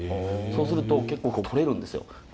そうすると結構取れるんですよ。